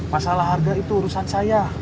masalah harga itu urusan saya